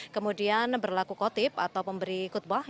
kemudian berlaku kotip atau pemberi khutbah